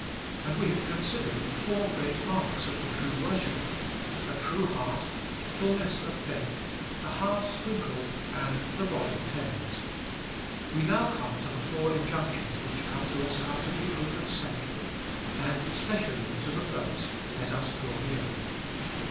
And we have considered the four great marks of the true worshipper — A true heart, Fulness of faith, The heart sprinkled, and The body cleansed. We now come to the four injunctions which come to us out of the opened sanctuary — and specially to the first — Let us draw near.